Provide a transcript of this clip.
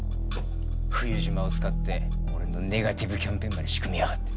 冬島を使って俺のネガティブキャンペーンまで仕組みやがって。